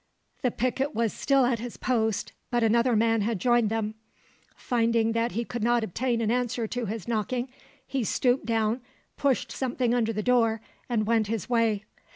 The picket was still at its post, but another man had joined them. Finding that he could not obtain an answer to his knocking, he stooped down, pushed something under the door, and went his way.